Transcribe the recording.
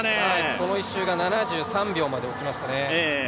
この１周が７３秒まで落ちましたね。